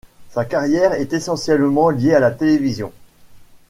Sa carrière est essentiellement liée à la télévision.